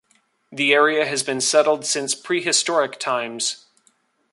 The area has been settled since prehistoric times.